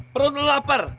perut lo lapar